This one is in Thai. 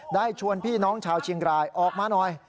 ชวนพี่น้องชาวเชียงรายออกมาหน่อย